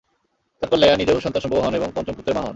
তারপর লায়্যা নিজেও সন্তান-সম্ভবা হন এবং পঞ্চম পুত্রের মা হন।